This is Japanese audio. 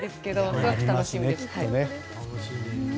すごく楽しみです。